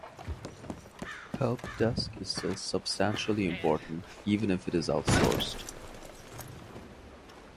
Help desk is still substantially important even if it is outsourced.